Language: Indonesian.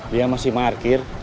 dia masih markir